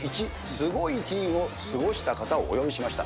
すごいティーンを過ごした方をお呼びしました。